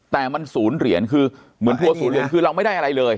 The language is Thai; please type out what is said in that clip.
แต่มันศูนย์เหรียญคือเหมือนทัวร์ศูนยนคือเราไม่ได้อะไรเลย